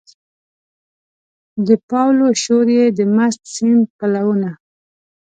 د پاولو شور یې د مست سیند پلونه